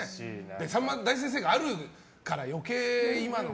「さんま大先生」があるから余計。